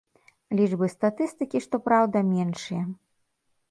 Лічбы статыстыкі, што праўда, меншыя.